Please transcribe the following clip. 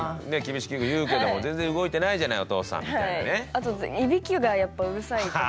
あといびきがやっぱうるさいとか。